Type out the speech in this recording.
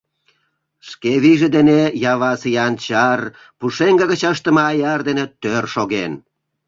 Шке вийже дене Явасе анчар пушеҥге гыч ыштыме аяр дене тӧр шоген.